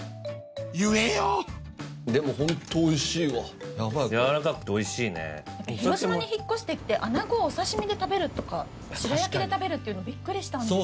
言えよでもホントおいしいわやわらかくておいしいね広島に引っ越してきてあなごをお刺身で食べるとか白焼きで食べるっていうのビックリしたんですよ